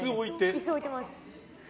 椅子置いてます。